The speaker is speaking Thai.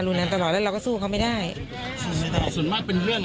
แล้วไปเย็บโรงพยาบาลมนุษย์ทะเวศ๑๐กว่าเข็ม